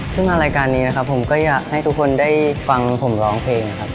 ซึ่งทางรายการนี้นะครับผมก็อยากให้ทุกคนได้ฟังผมร้องเพลงนะครับ